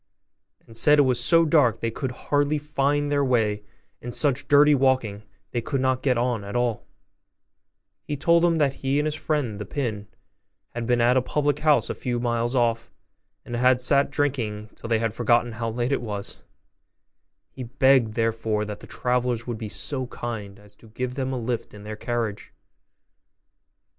and said it was so dark that they could hardly find their way, and such dirty walking they could not get on at all: he told them that he and his friend, the pin, had been at a public house a few miles off, and had sat drinking till they had forgotten how late it was; he begged therefore that the travellers would be so kind as to give them a lift in their carriage.